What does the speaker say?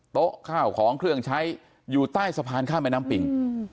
โต๊ะข้าวของเครื่องใช้อยู่ใต้สะพานข้ามแม่น้ำปิ่ง